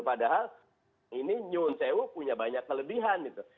padahal ini nyun sewu punya banyak kelebihan gitu